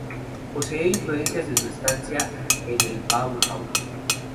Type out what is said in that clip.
Posee influencias de su estancia en la Bauhaus.